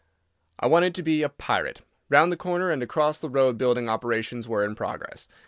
I wanted to be a pirate. Round the corner and across the road building operations were in progress.